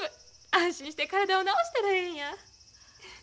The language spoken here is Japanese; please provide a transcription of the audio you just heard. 安心して体を治したらええんや。